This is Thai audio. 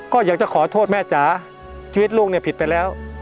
ก็อยากจะขอโทษแม่จ๋าชีวิตลูกเนี่ยผิดไปแล้ว